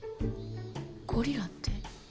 ゴリラって？